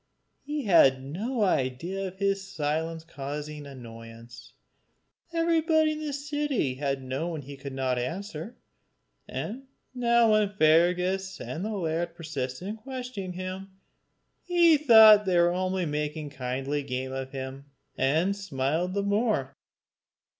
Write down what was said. He had no idea of his silence causing annoyance. Everybody in the city had known he could not answer; and now when Fergus and the laird persisted in questioning him, he thought they were making kindly game of him, and smiled the more.